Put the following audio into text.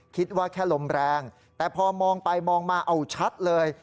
คิดว่าแค่ลมแรงแต่พอมองไปมองมาเอาชัดเลย